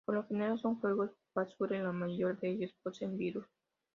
Por lo general son juegos basura y la mayoría de ellos poseen virus.